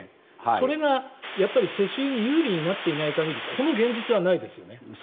それが世襲に有利になっていない限りこの現実はないですよね。